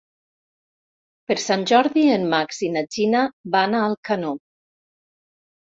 Per Sant Jordi en Max i na Gina van a Alcanó.